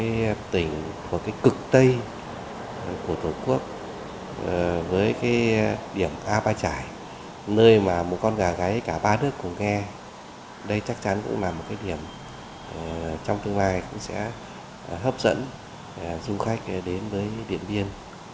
điện biên là một thỉnh cực tây của tổ quốc với điểm a ba trải nơi một con gà gáy cả ba nước cùng nghe đây chắc chắn cũng là một điểm trong tương lai sẽ hấp dẫn du khách đến với điện biên